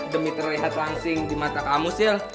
demi terlihat langsing di mata kamu sih